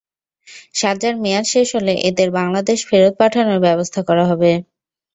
সাজার মেয়াদ শেষ হলে এঁদের বাংলাদেশে ফেরত পাঠানোর ব্যবস্থা করা হবে।